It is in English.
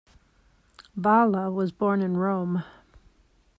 Valla was born in Rome.